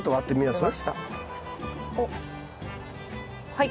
はい。